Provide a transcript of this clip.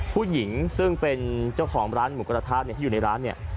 ผู้หญิงซึ่งเป็นเจ้าของร้านหมูกระทะที่อยู่ในร้านเนี่ย